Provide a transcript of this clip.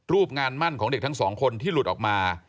รูปงานมั่นของเด็กทั้งสองคนที่หลุดออกมา